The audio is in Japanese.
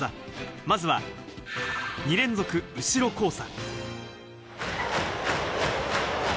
まずは２連続後ろ交差。